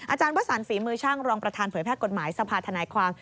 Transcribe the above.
อาจารย์วศาลฝีมือช่างรองประธานผลแพทย์กฎหมายสภาษณาความ